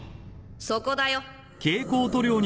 そこだよ。